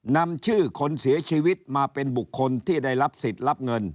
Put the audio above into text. นำชื่อคนเสียชีวิตมาเป็นบุคคลที่ได้รับสิทธิ์รับเงิน